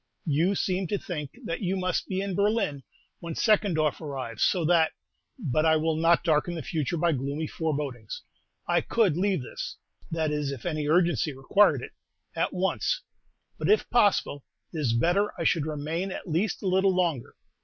You seem to think that you must be in Berlin when Seckendorf arrives, so that But I will not darken the future by gloomy forebodings. I could leave this that is, if any urgency required it at once; but, if possible, it is better I should remain at least a little longer.